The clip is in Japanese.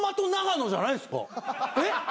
えっ？